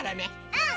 うん！